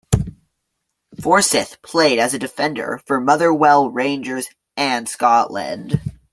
Forsyth played as a defender for Motherwell, Rangers and Scotland.